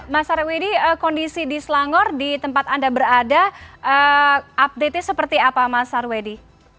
mas sarwedi kondisi di selangor di tempat anda berada update nya seperti apa mas sarwedi